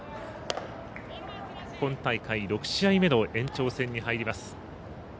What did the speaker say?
今大会６試合目の延長戦に入ります。